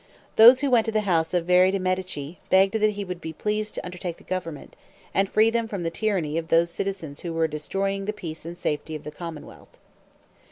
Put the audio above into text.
Those who went to the house of Veri de' Medici, begged that he would be pleased to undertake the government, and free them from the tyranny of those citizens who were destroying the peace and safety of the commonwealth.